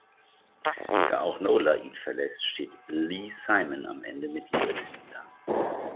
Da auch Nola ihn verlässt, steht Lee Simon am Ende mit leeren Händen da.